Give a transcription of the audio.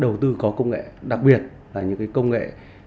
và các dự án đầu tư có công nghệ đặc biệt là những công nghệ